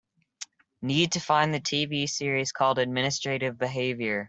Need to find the TV series called Administrative Behavior